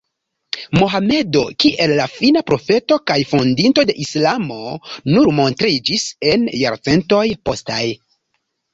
Mohamedo kiel la Fina Profeto kaj fondinto de islamo nur montriĝis en jarcentoj postaj.